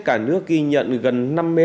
cả nước ghi nhận gần